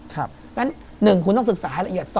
เพราะฉะนั้น๑คุณต้องศึกษาให้ละเอียด๒